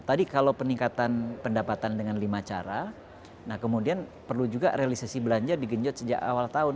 tadi kalau peningkatan pendapatan dengan lima cara nah kemudian perlu juga realisasi belanja digenjot sejak awal tahun